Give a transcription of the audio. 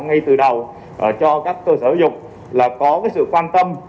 ngay từ đầu cho các cơ sở giáo dục là có sự quan tâm